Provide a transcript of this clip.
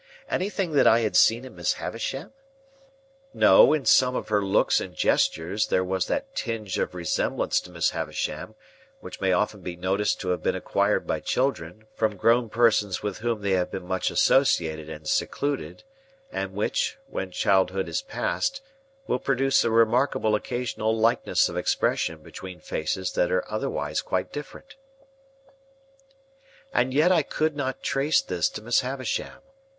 Anything that I had seen in Miss Havisham? No. In some of her looks and gestures there was that tinge of resemblance to Miss Havisham which may often be noticed to have been acquired by children, from grown person with whom they have been much associated and secluded, and which, when childhood is passed, will produce a remarkable occasional likeness of expression between faces that are otherwise quite different. And yet I could not trace this to Miss Havisham.